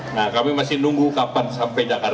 nah kami masih nunggu kapan sampai jakarta